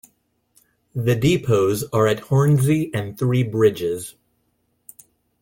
The depots are at Hornsey and Three Bridges.